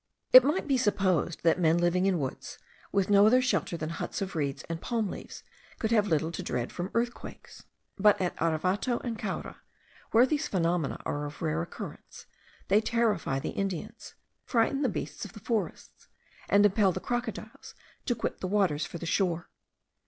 It might be supposed that men living in woods, with no other shelter than huts of reeds and palm leaves, could have little to dread from earthquakes. But at Erevato and Caura, where these phenomena are of rare occurrence, they terrify the Indians, frighten the beasts of the forests, and impel the crocodiles to quit the waters for the shore.